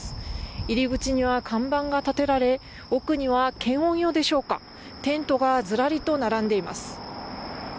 入り口には看板が立てられ、奥には検温用でしょうか、テントがずらりと並んでいます。